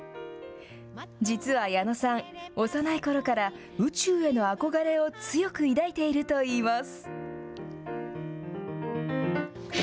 実は矢野さん、幼いころから宇宙への憧れを強く抱いているといいます。